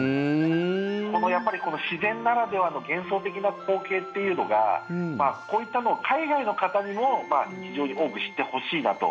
この自然ならではの幻想的な光景というのがこういったのを海外の方にも非常に多く知ってほしいなと。